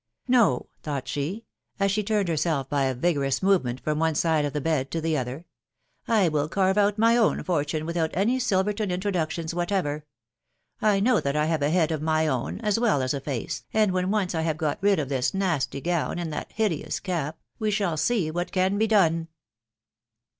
" No !" thought she, as she turned herself by a vigorous movement from one side of the bed to the «ther, "* will carve out my own fortune without any 8iLverton intro ductions whatever ! I know that I have a head of my <wro, as well as a face, and when once I have got rid of this nasty gown and that hideous cap, we shall see what can be done.